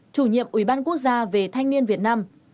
chủ nhiệm ủy ban quốc gia về thanh niên việt nam